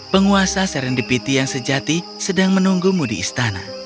penguasa serendipity yang sejati sedang menunggumu di istana